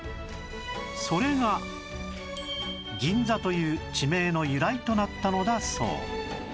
それが銀座という地名の由来となったのだそう